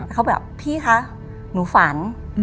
เขาแบบพี่คะหนูฝัน